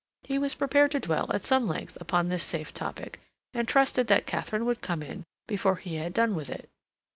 He was prepared to dwell at some length upon this safe topic, and trusted that Katharine would come in before he had done with it.